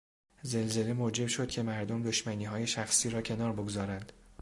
زلزله موجب شد که مردم دشمنیهای شخصی را کنار بگذارند.